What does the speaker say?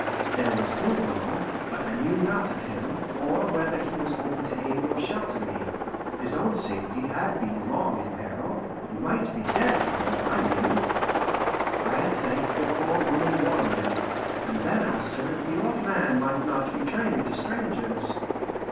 There was Voban, but I knew not of him, or whether he was open to aid or shelter me. His own safety had been long in peril; he might be dead, for all I knew. I thanked the poor woman warmly, and then asked her if the old man might not betray me to strangers.